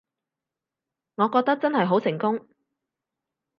我覺得真係好成功